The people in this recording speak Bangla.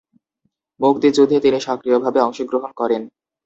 মুক্তিযুদ্ধে তিনি সক্রিয় ভাবে অংশগ্রহণ করেন।